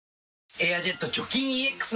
「エアジェット除菌ＥＸ」